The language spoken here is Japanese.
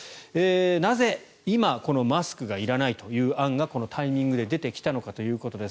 なぜ、今、このマスクがいらないという案がこのタイミングで出てきたのかということです。